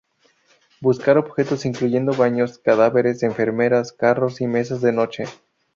Buscar objetos incluyendo baños, cadáveres, enfermeras, carros, y mesas de noche.